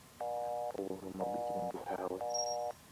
Ubuvumo bwikirenge cyawe